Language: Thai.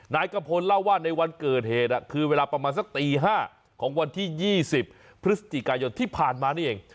นายกะพลเล่าว่าในวันเกิดเหตุคือเวลาประมาณสักตี๕ของวันที่๒๐พฤศจิกายนที่ผ่านมานี่เอง